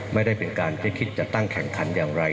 ไม่ได้เป็นการที่คิดจะตั้งแข่งขันอย่างไร